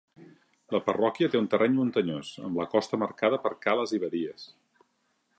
La parròquia té un terreny muntanyós, amb la costa marcada per cales i badies.